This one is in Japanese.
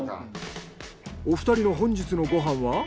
お二人の本日のご飯は？